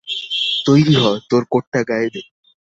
তৈরি হ, তোর কোট টা গায়ে দে।